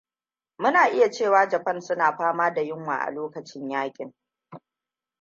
Muna iya cewa Japan suna fama da yinwa a lokacin yakin.